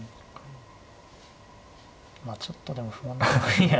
まあちょっとでも不安。